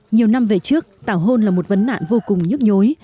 nhiều năm về trước tảo hôn là một vấn nạn vô cùng nhức nhối